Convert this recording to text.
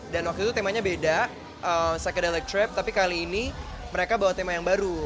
dan waktu itu temanya beda psychedelic trip tapi kali ini mereka bawa tema yang baru